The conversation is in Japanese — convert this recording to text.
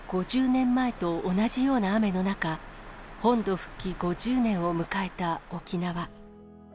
５０年前と同じような雨の中、本土復帰５０年を迎えた沖縄。